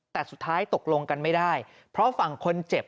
แต่สุดท้ายตกลงกันไม่ได้เพราะฝั่งคนเจ็บ